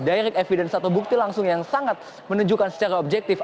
direct evidence atau bukti langsung yang sangat menunjukkan secara objektif